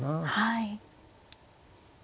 はい。